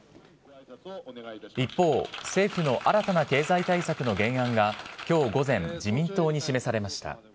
一方、政府の新たな経済対策の原案がきょう午前、自民党に示されました。